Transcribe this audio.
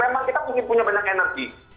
memang kita punya banyak energi